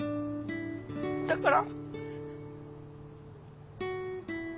だから。